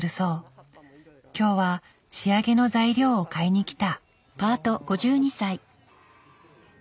今日は仕上げの材料を買いにきた。